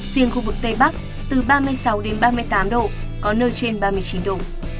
riêng khu vực tây bắc từ ba mươi sáu đến ba mươi tám độ có nơi trên ba mươi chín độ